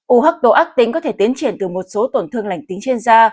u hắc tố ác tính có thể tiến triển từ một số tổn thương lành tính trên da